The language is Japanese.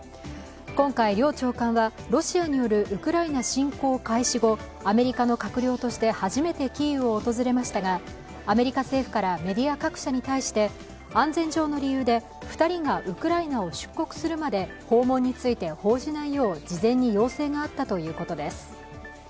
今回、両長官はロシアによるウクライナ侵攻開始後、アメリカの閣僚として初めてキーウを訪れましたがアメリカ政府からメディア各社に対して安全上の理由で２人がウクライナを出国するまで訪問について報じないよう事前に要請があったということです。